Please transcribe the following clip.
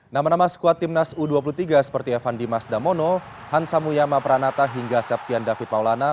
nama nama skuad timnas u dua puluh tiga seperti evan dimas damono hansa muyama pranata hingga septian david maulana